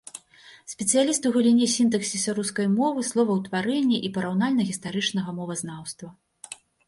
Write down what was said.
Спецыяліст у галіне сінтаксіса рускай мовы, словаўтварэння і параўнальна-гістарычнага мовазнаўства.